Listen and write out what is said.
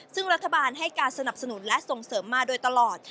ซึ่งรัฐบาลให้การสนับสนุนและส่งเสริมมาโดยตลอด